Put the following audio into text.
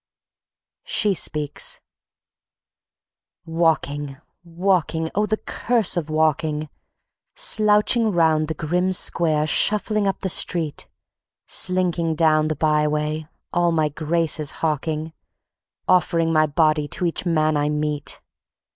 (She speaks.) Walking, walking, oh, the curse of walking! Slouching round the grim square, shuffling up the street, Slinking down the by way, all my graces hawking, Offering my body to each man I meet.